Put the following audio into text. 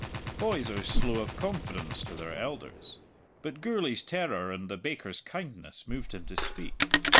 Boys are slow of confidence to their elders, but Gourlay's terror and the baker's kindness moved him to speak.